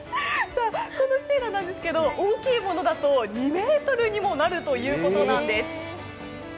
このシイラ、大きいものだと２ｍにもなるということです。